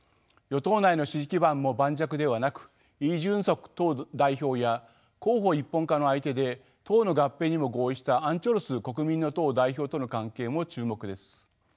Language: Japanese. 与党内の支持基盤も盤石ではなくイ・ジュンソク党代表や候補一本化の相手で党の合併にも合意したアン・チョルス国民の党代表との関係も注目です。